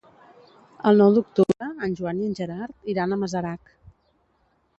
El nou d'octubre en Joan i en Gerard iran a Masarac.